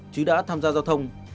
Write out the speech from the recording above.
chứ đã tham gia giao thông